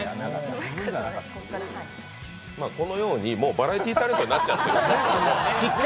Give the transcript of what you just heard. このようにもうバラエティータレントになっちゃった。